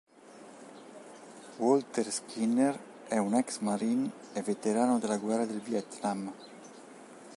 Walter Skinner è un ex marine e veterano della guerra del Vietnam.